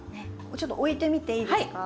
ちょっと置いてみていいですか？